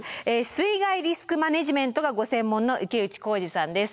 水害リスクマネジメントがご専門の池内幸司さんです。